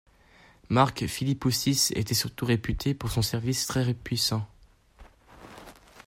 Mark Philippoussis était surtout réputé pour son service très puissant.